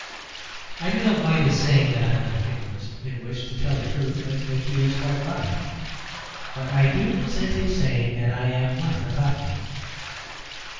I do not mind his saying that I am not a humourist in which (to tell the truth) I think he is quite right. But I do resent his saying that I am not a Cockney.